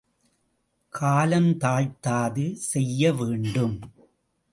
காலந்தாழ்த்தாது செய்ய வேண்டும்.